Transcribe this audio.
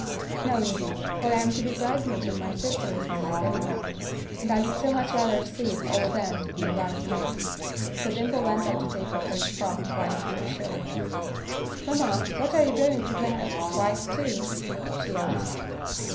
"No, indeed, for I am to be bridesmaid when my sister is married, anyhow, and I would so much rather see it all than to be right in it." So Dimple went up to take off her frock quite reassured. "Mamma, what are you going to wear? White, too?" she asked.